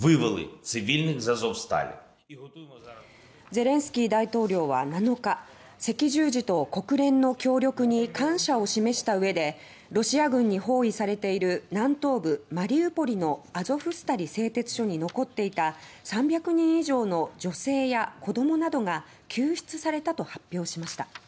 ゼレンスキー大統領は７日赤十字と国連の協力に感謝を示した上でロシア軍に包囲されている南東部マリウポリのアゾフスタリ製鉄所に残っていた３００人以上の女性や子供などが救出されたと発表しました。